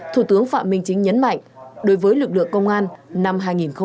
thủ tướng phạm minh chính nhấn mạnh đối với lực lượng công an năm hai nghìn hai mươi ba